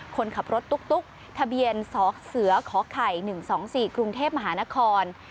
คนขับรถตุ๊กทะเบียนสเสขอไข่๑๒๔กรุงเทพมหานคร